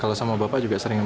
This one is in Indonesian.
kalau sama bapak juga sering